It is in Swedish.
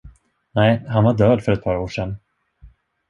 Nej, han var död för ett par år sedan.